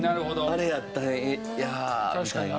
あれやったんやみたいな。